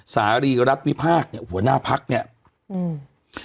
สาหรีรัฐวิภาคเนี้ยหัวหน้าภักษ์เนี้ยอืม